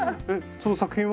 その作品は？